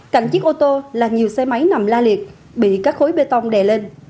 cạnh chiếc ô tô là nhiều xe máy nằm la liệt bị các khối bê tông đè lên